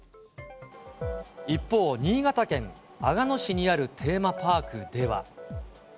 一方、新潟県阿賀野市にあるテーマパークでは。